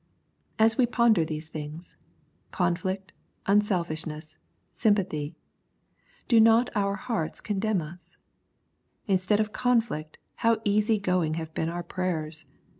As we ponder these things — conflict, un selfishness, sympathy — do not our hearts condemn us ? Instead of conflict, how easy going have been our prayers